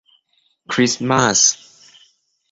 คริสต์มาส